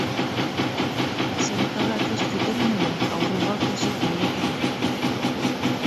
Сәлихәгә көс етер ине лә, ауырыуға көс етмәй икән.